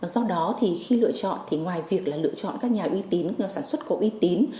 do đó khi lựa chọn ngoài việc lựa chọn các nhà sản xuất có uy tín